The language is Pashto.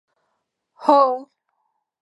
هوه